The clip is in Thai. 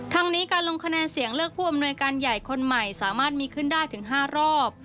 ทั้งนี้การลงคะแนนเสียงเลือกผู้อำนวยการใหญ่คนใหม่สามารถมีขึ้นได้ถึง๕รอบ